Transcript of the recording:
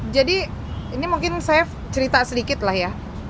jadi ini mungkin saya cerita sedikit lah ya